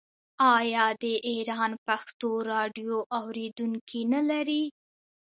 آیا د ایران پښتو راډیو اوریدونکي نلري؟